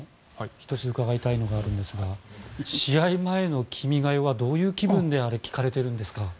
１つ伺いたいことがあるんですが試合前の「君が代」はどういう気分で聴かれているんですか。